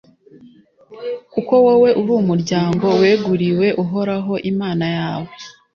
kuko wowe uri umuryango weguriwe uhoraho imana yawe;